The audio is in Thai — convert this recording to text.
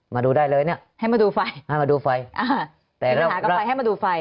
มาดูได้เลยเนี้ยให้มาดูไฟให้มาดูไฟอ่าแต่ให้มาดูไฟ